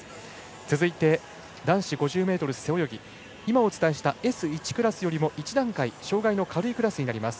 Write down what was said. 続いて、男子５０ｍ背泳ぎ今お伝えしたＳ１クラスより１段階障がいの軽いクラスになります。